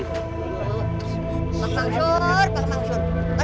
pak maksur pak maksur